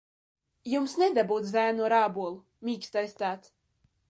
"Jums nedabūt "Zēnu ar ābolu", mīkstais tāds!"